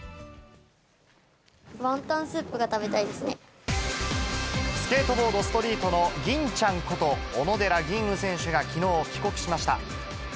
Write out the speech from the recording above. ワンタンスープが食べたいでスケートボードストリートの吟ちゃんこと、小野寺吟雲選手がきのう帰国しました。